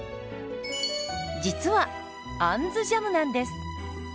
実は「あんずジャム」なんです。